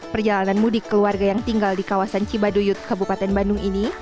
perjalanan mudik keluarga yang tinggal di kawasan cibaduyut kabupaten bandung ini